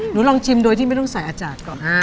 ลองชิมโดยที่ไม่ต้องใส่อาจารย์ก่อน